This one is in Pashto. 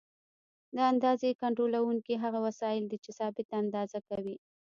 د اندازې کنټرولونکي هغه وسایل دي چې ثابته اندازه کوي.